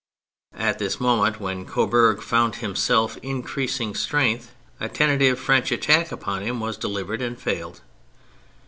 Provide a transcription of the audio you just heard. At this moment, when Coburg found him self in increasing strength, a tentative French attack upon him was delivered and failed.